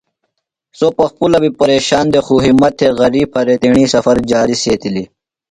سوۡ پخپُلہ بیۡ پیرشان دےۡ خوۡ ہمت تھےۡ غری پھرےۡ تیݨی سفر جاری سیتِلیۡ۔